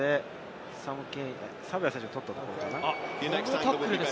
サヴェア選手が取ったところかな？